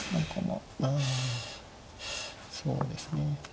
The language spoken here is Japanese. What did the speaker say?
あそうですね。